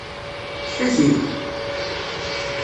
Ṭṭef-it-id!